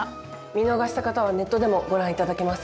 見逃した方はネットでもご覧頂けます。